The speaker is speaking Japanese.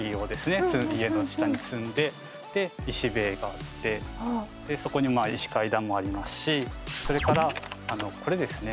家の下に積んでで石塀があってでそこに石階段もありますしそれからこれですね